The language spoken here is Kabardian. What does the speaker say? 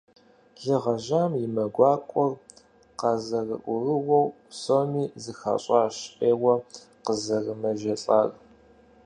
Лы гъэжьам и мэ гуакӀуэр къазэрыӀурыуэу, псоми зыхащӀащ Ӏейуэ къызэрымэжэлӀар.